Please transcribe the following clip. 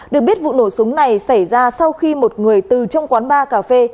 được biết vụ nổ súng này xảy ra sau khi một người từ trong quán bar cà phê